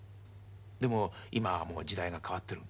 でも今はもう時代が変わってる。